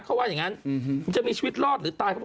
เขาว่าอย่างนั้นจะมีชีวิตรอดหรือตายเขาบอก